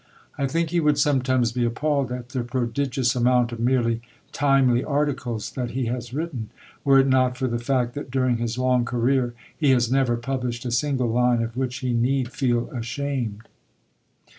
I think he would sometimes be appalled at the prodigious amount of merely "timely" articles that he has written, were it not for the fact that during his long career he has never published a single line of which he need feel ashamed.